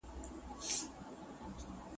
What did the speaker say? د بامیکان و زاړه زابلستان